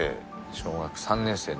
小学３年生の。